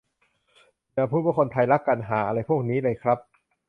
อย่าพูดว่าคนไทยรักกัน ห่าอะไรพวกนี้เลยครับ